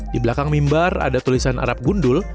di belakang mimbar ada tulisan arab gundul